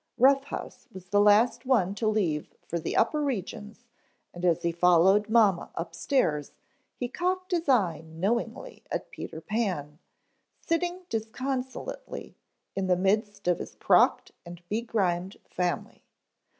Rough House was the last one to leave for the upper regions and as he followed mamma upstairs he cocked his eye knowingly at Peter Pan, sitting disconsolately in the midst of his crocked and begrimed family.